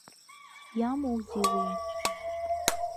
Иамоузеи уи!